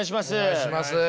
お願いします。